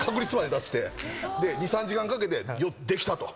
２３時間かけてできたと。